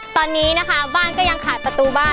ตอนนี้นะคะบ้านก็ยังขาดประตูบ้าน